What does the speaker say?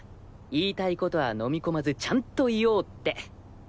言いたいことは飲み込まずちゃんと言おうって。